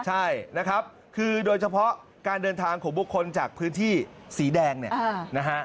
ใช่นะครับคือโดยเฉพาะการเดินทางของบุคคลจากพื้นที่สีแดงเนี่ยนะฮะ